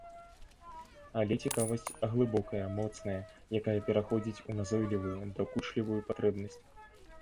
Але цікавасць глыбокая, моцная, якая пераходзіць у назойлівую, дакучлівую патрэбнасць.